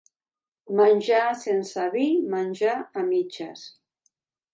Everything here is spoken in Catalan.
Menjar sense vi, menjar a mitges.